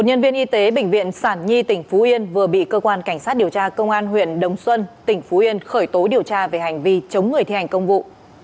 nhân viên y tế bệnh viện sản nhi tỉnh phú yên vừa bị cơ quan cảnh sát điều tra công an huyện đồng xuân tỉnh phú yên khởi tố điều tra về hành vi chống người thi hành công vụ